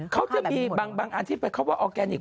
เขาจะมีบางอันที่ไปคำว่าออร์แกนิค